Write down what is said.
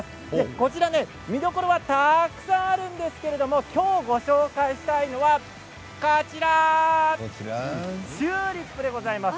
こちら、見どころはたくさんあるんですけれども今日ご紹介したいのはチューリップでございます。